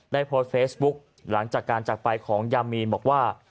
ได้โพสต์เฟซบุ๊กหลังจากการจักรไปของยามีนบอกว่า